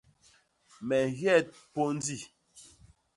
Me nhyet pôndi.